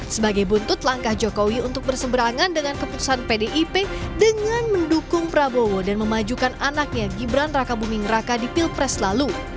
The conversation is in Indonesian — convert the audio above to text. sebagai buntut langkah jokowi untuk berseberangan dengan keputusan pdip dengan mendukung prabowo dan memajukan anaknya gibran raka buming raka di pilpres lalu